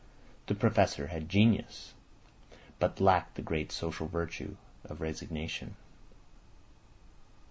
The Professor had genius, but lacked the great social virtue of resignation.